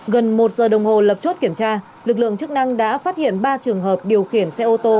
gần một giờ đồng hồ lập chốt kiểm tra lực lượng chức năng đã phát hiện ba trường hợp điều khiển xe ô tô